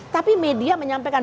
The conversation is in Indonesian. tapi media menyampaikan